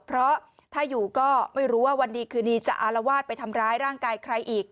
เพราะถ้าอยู่ก็ไม่รู้ว่าวันดีคืนนี้จะอารวาสไปทำร้ายร่างกายใครอีก